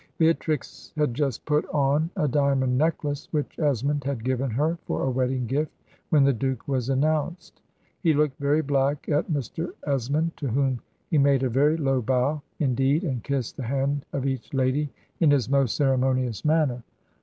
Beatrix had just put on a diamond necklace which Esmond had given her for a wedding gift when the Duke was announced. "He looked very black at Mr. Esmond, to whom he made a very low bow, indeed, and kissed the hand of each lady in his most ceremonious manner.